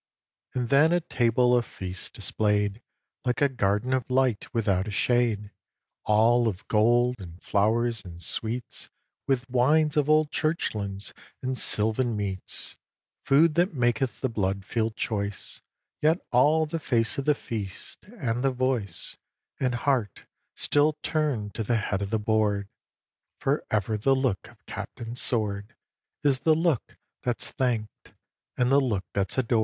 And then a table a feast displayed, Like a garden of light without a shade, All of gold, and flowers, and sweets, With wines of old church lands, and sylvan meats, Food that maketh the blood feel choice; Yet all the face of the feast, and the voice, And heart, still turn'd to the head of the board; For ever the look of Captain Sword Is the look that's thank'd, and the look that's ador'd.